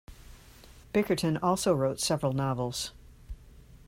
Bickerton also wrote several novels.